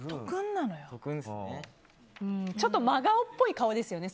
ちょっと真顔っぽい顔ですよね。